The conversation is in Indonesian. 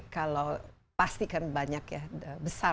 kalau pastikan banyak ya